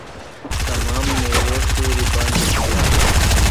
تمام میوے سُوریۡ باندیۡ پچانہ۔